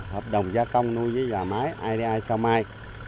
hợp đồng gia công nuôi với giò mái idi caomai